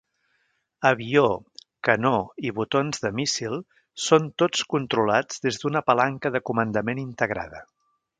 Avió, canó i botons de míssil són tots controlats des d'una palanca de comandament integrada.